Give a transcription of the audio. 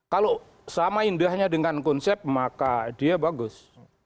kalau sama indahnya dengan konsep maka dia bagus